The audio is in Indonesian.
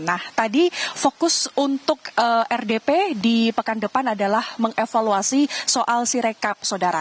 nah tadi fokus untuk rdp di pekan depan adalah mengevaluasi soal sirekap saudara